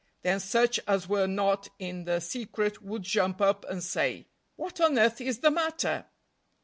Then such as were not in the secret would jump up and say, "What on earth is the matter?"